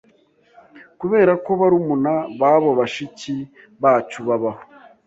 Kuberako barumuna babobashiki bacu babaho